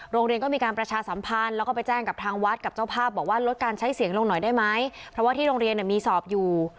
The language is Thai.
โรงเรียนก็มีการประชาสัมพันธ์แล้วก็ไปแจ้งกับทางวัดกับเจ้าภาพบอกว่าลดการใช้เสียงลงหน่อยได้ไหมเพราะว่าที่โรงเรียนเนี่ยมีสอบอยู่